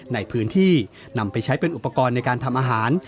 ในพื้นที่นำไปใช้เป็นอุปกรณ์ในการทำอาหาร